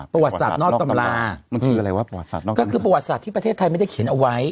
ประวัติศาสตร์นอกตำรามันคืออะไรวะก็คือประวัติศาสตร์ที่ประเทศไทยไม่ได้เขียนเอาไว้